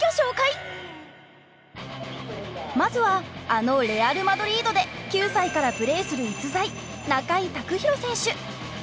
まずはあのレアル・マドリードで９歳からプレーする逸材中井卓大選手。